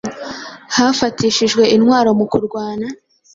hatifashishijwe intwaro mukurwana